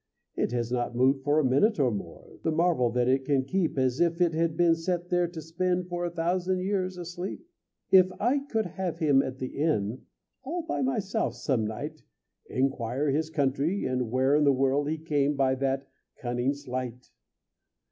It has not moved for a minute or more. The marvel that it can keep As if it had been set there to spin For a thousand years asleep! If I could have him at the inn All by myself some night, Inquire his country, and where in the world He came by that cunning sleight!